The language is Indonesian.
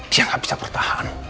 dia nggak bisa pertahan